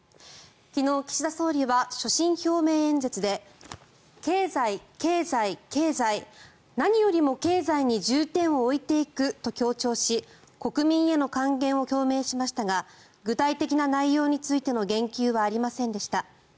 昨日、岸田総理は所信表明演説で経済、経済、経済何よりも経済に重点を置いていくと強調し国民への還元を表明しましたが具体的な内容についての言及はありませんでした。